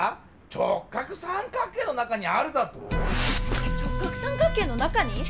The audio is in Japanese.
直角三角形の中にあるだと⁉直角三角形の中に？